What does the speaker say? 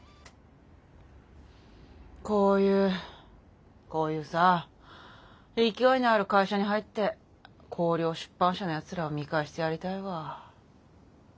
こういうこういうさ勢いのある会社に入って光陵出版社のやつらを見返してやりたいわ。